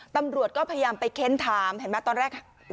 ตำรวจก็พยายามไปเค้นถามเห็นไหมตอนแรก